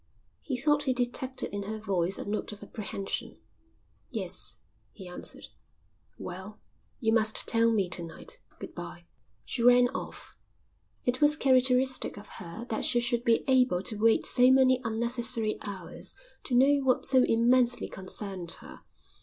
He thought he detected in her voice a note of apprehension. "Yes," he answered. "Well, you must tell me to night. Good bye." She rang off. It was characteristic of her that she should be able to wait so many unnecessary hours to know what so immensely concerned her.